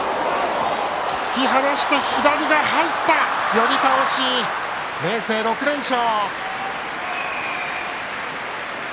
寄り倒し、明生６連勝。